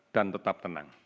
dan tetap tenang